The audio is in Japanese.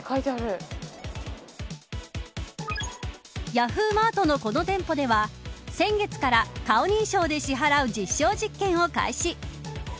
ヤフーマートのこの店舗では先月から、顔認証で支払う実証実験を開始。